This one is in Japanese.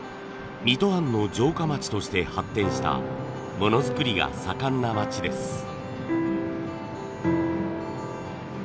水戸藩の城下町として発展したものづくりが盛んな町です。